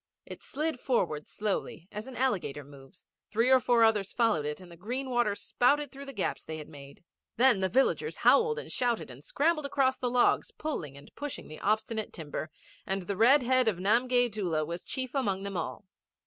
It slid forward slowly as an alligator moves, three or four others followed it, and the green water spouted through the gaps they had made. Then the villagers howled and shouted and scrambled across the logs, pulling and pushing the obstinate timber, and the red head of Namgay Doola was chief among them all.